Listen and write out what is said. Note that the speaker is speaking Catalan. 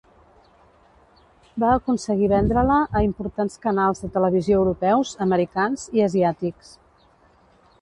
Va aconseguir vendre-la a importants canals de televisió europeus, americans i asiàtics.